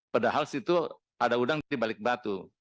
padahal situ ada udang di balik batu